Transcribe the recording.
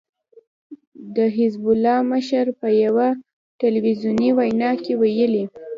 د حزب الله مشر په يوه ټلويزیوني وينا کې ويلي